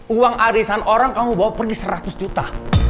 uang arisan orang kamu bawa pergi seratus juta